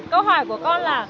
câu hỏi của con là